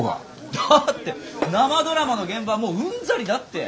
だって生ドラマの現場はもううんざりだって。